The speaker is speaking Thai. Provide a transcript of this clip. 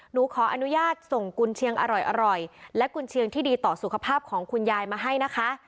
หนูขออนุญาตส่งกุญเชียงอร่อยและกุญเชียงที่ดีต่อสุขภาพของคุณยายมาให้นะคะ